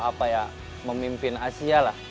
harus bisa memimpin asia lah